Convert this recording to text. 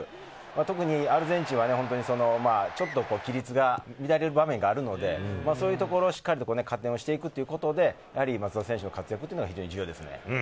特にアルゼンチンはちょっと規律が乱れる場面があるので、そういうところをしっかりと加点をしていくということで、松田選手の活躍は非常に重要です。